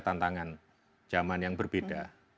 tantangan zaman yang berbeda